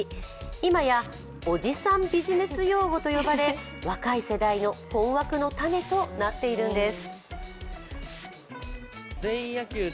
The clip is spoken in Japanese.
いまや、おじさんビジネス用語と呼ばれ、若い世代の困惑の種となっているんです。